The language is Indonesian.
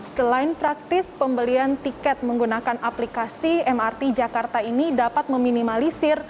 selain praktis pembelian tiket menggunakan aplikasi mrt jakarta ini dapat meminimalisir